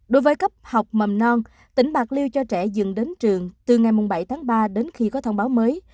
đối với cấp học mầm non tỉnh bạc liêu cho trẻ dừng đến trường từ ngày bảy tháng ba đến khi có thông báo mới